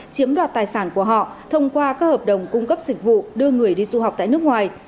chiếm đoạt tài sản của họ thông qua các hợp đồng cung cấp dịch vụ đưa người đi du học tại nước ngoài